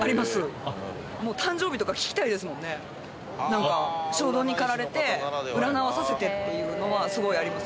なんか衝動に駆られて占わさせてっていうのはすごいあります。